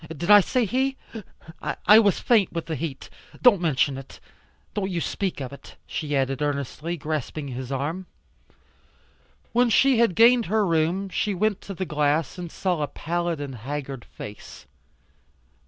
Did I say he? I was faint with the heat. Don't mention it. Don't you speak of it," she added earnestly, grasping his arm. When she had gained her room she went to the glass and saw a pallid and haggard face.